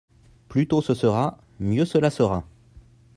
Plus tôt ce sera, mieux cela sera.